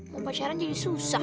mau pacaran jadi susah